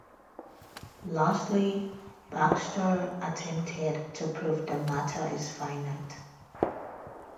Lastly Baxter attempted to prove that matter is finite.